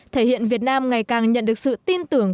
thể hiện việt nam ngày càng nhận được sự tin tưởng